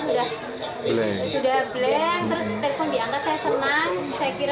saya senang karena perusahaan sudah berkoordinasi dengan baik